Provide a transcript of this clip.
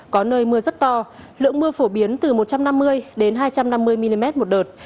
có nơi mưa rất to lượng mưa phổ biến từ một trăm năm mươi đến hai trăm năm mươi mm một đợt